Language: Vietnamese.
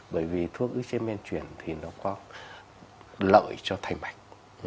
bởi vì thuốc ưu chế men chuyển thì nó có lợi cho thầy mạch